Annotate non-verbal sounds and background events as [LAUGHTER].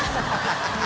ハハハ [LAUGHS]